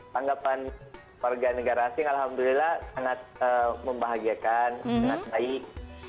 tanggapan warga negara asing alhamdulillah sangat membahagiakan sangat baik